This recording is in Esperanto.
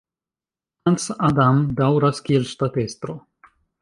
Hans Adam daŭras kiel ŝtatestro.